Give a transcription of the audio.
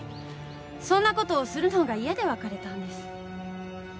そんな事をするのが嫌で別れたんです。